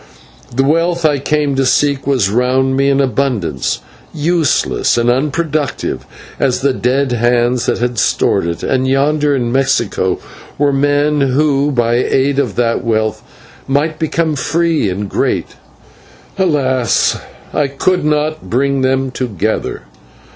The wealth I came to seek was round me in abundance, useless and unproductive as the dead hands that had stored it, and yonder in Mexico were men who by aid of that wealth might become free and great: but alas! I could not bring them together.